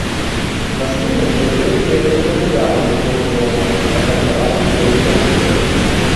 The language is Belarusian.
На спіне з вялікай фіялетавай плямай у форме ромба, акантаванай белай паласой.